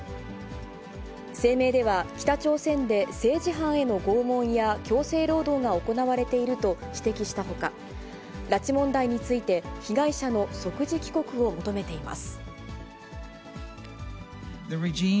声明では、北朝鮮で政治犯への拷問や強制労働が行われていると指摘したほか、拉致問題について、被害者の即時帰国を求めています。